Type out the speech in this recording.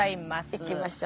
いきましょう。